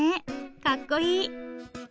かっこいい！